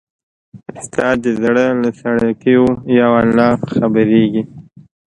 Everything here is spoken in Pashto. ستا د زړه له څړیکو یو الله خبریږي